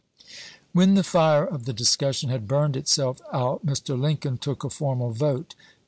When the fire of the discussion had burned itself out, Mr. Lincoln took a formal vote.